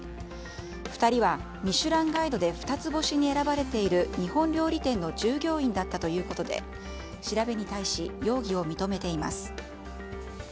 ２人は、「ミシュランガイド」で二つ星に選ばれている日本料理店の従業員だったということで調べに対し、容疑を認めています。